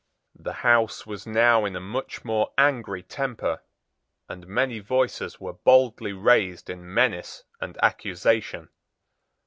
The House was now in a much more angry temper; and many voices were boldly raised in menace and accusation.